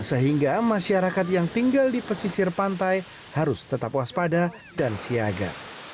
sehingga masyarakat yang tinggal di pesisir pantai harus tetap waspada dan siaga